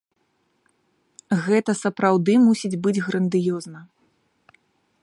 Гэта сапраўды мусіць быць грандыёзна!